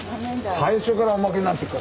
最初からおまけになってっから。